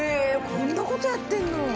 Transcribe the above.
こんなことやってんの？